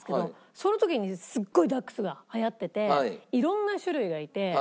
その時にすっごいダックスが流行ってて色んな種類がいて。